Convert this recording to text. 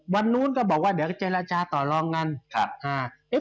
วันโน้นก็บอกว่าเดี๋ยวก็เจรจาตอลองอย่างนั้น